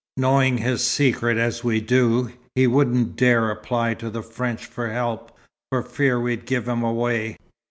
Knowing his secret as we do, he wouldn't dare apply to the French for help, for fear we'd give him away.